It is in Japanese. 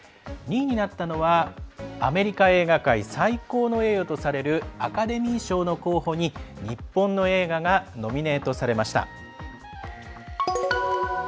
２位になったのはアメリカ映画界最高の栄誉とされるアカデミー賞の候補に日本の映画がノミネートされました。